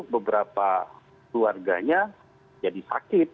beberapa keluarganya jadi sakit